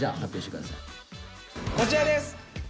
こちらです。